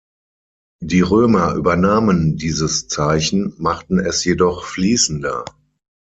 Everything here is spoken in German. Die Römer übernahmen dieses Zeichen, machten es jedoch fließender.